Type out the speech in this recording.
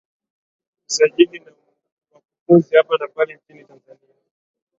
msajili na wakufunzi hapa na pale nchini tanzania